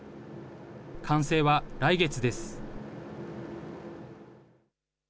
完成は来月です。